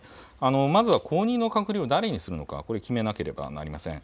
まずは後任の閣僚を誰にするのかこれ、決めなければなりません。